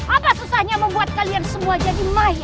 apa susahnya membuat kalian semua jadi maya